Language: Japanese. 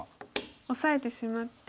オサえてしまって。